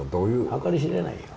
計り知れないよ。